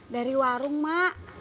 dari warung mak